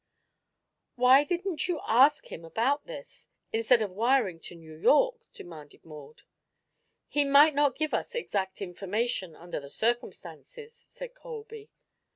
"Why didn't you ask him about this, instead of wiring to New York?" demanded Maud. "He might not give us exact information, under the circumstances," said Colby.